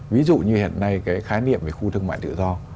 ví dụ như hiện nay cái khái niệm về khu thương mại tự do